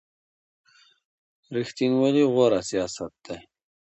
ریښتینولي غوره سیاست دی.